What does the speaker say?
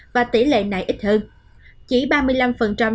và tỷ lệ này ít hơn chỉ ba mươi năm với trẻ mầm non năm tuổi